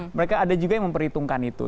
mereka ada juga yang memperhitungkan itu